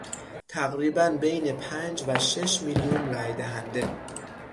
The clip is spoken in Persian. تقریبا بین پنج و شش میلیون رای دهنده